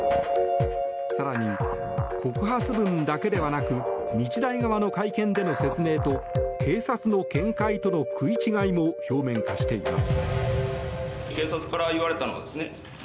更に告発文だけではなく日大側の会見での説明と警察の見解との食い違いも表面化しています。